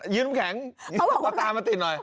ยิ้มแข็งเอาตามาติดหน่อย